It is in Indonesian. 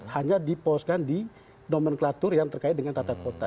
hanya diposkan di nomenklatur yang terkait dengan tata kota